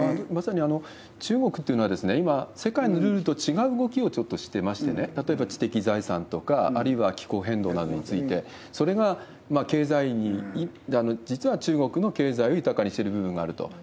まさに中国は今、世界のルールと違う動きをちょっとしてましてね、例えば知的財産とか、あるいは気候変動などについて、それが経済に、実は中国の経済を豊かにしてる部分があると。